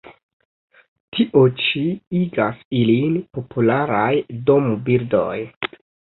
Tio ĉi igas ilin popularaj dombirdoj.